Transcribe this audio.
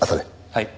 はい。